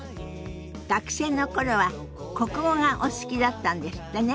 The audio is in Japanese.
学生の頃は国語がお好きだったんですってね。